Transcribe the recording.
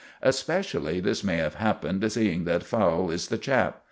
Especially this may have happened seeing that Fowle is the chap.